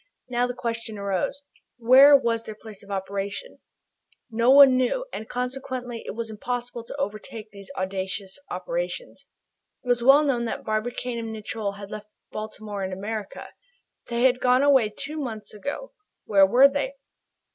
Now the question arose, where was their place of operations? No one knew, and consequently it was impossible to overtake these audacious operations. It was well known that Barbicane and Nicholl had left Baltimore and America. They had gone away two months ago. Where were they?